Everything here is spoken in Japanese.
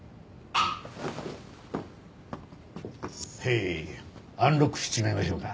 ヘーイアンロックしちまいましょうか？